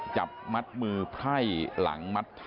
จับมัดมือไพร่หลังมัดเท้า